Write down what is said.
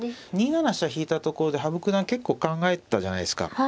２七飛車引いたところで羽生九段結構考えてたじゃないですか。